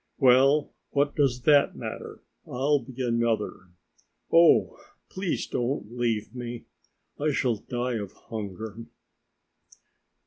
"Well, what does that matter? I'll be another. Oh, please don't leave me; I shall die of hunger!"